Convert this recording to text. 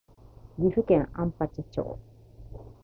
岐阜県安八町